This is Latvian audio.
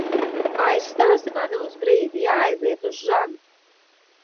Aizstāsi mani uz brīdi? Jāaiziet uz žani.